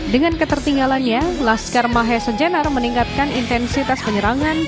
dengan ketertinggalannya laskar mahesa jenar meningkatkan intensitas penyerangan